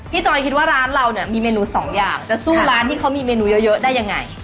จอยคิดว่าร้านเราเนี่ยมีเมนูสองอย่างจะสู้ร้านที่เขามีเมนูเยอะได้ยังไง